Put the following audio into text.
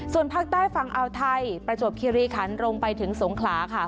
ส่วนภาคใต้ฝั่งอาวไทยประจวบคิริคันลงไปถึงสงขลาค่ะ